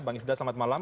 bang ifdal selamat malam